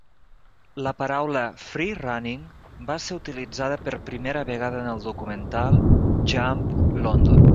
La paraula "free-running" va ser utilitzada per primera vegada en el documental "Jump London".